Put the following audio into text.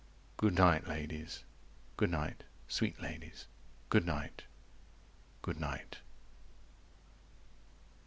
Good night, ladies, good night, sweet ladies, good night, good night.